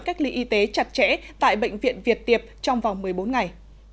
cách ly y tế chặt chẽ tại bệnh viện việt tiệp trong vòng một mươi bốn ngày